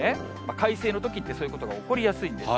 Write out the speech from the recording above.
快晴のときって、そういうことが起こりやすいんです。